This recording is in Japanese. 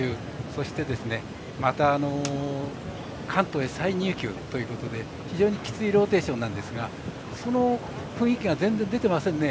そして、また関東に再入きゅうということで非常に、きついローテーションなんですがその雰囲気が全然出ていませんね。